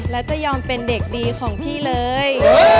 และจะยอมเป็นเด็กดีของพี่เลย